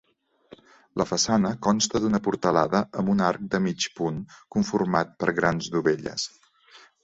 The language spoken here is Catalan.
La façana consta d'una portalada amb un arc de mig punt conformat per grans dovelles.